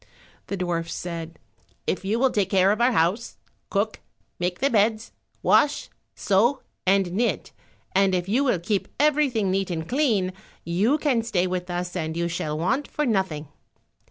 The dwarfs said, "If you will take care of our house, cook, make the beds, wash, sew, and knit, and if you will keep everything neat and clean, you can stay with us and you shall want for nothing."